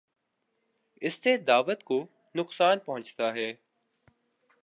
اس سے دعوت کو نقصان پہنچتا ہے۔